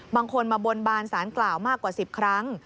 บางคนมาบนบานสารกล่าวมากกว่า๑๐ครั้ง